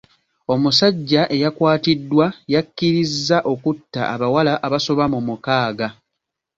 Omusajja eyakwatiddwa yakkirizza okutta abawala abasoba mu mukaaga.